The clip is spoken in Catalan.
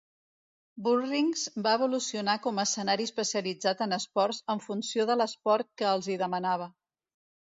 Bullrings va evolucionar com a escenari especialitzat en esports en funció de l'esport que els hi demanava.